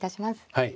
はい。